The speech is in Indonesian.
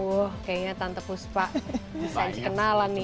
wah kayaknya tante puspa bisa dikenalan nih